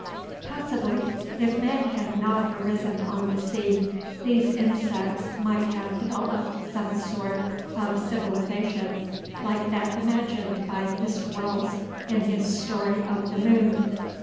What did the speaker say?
Possibly if man had not arisen on the scene, these insects might have developed some sort of civilization like that imagined by Mr. Wells in his story of the moon.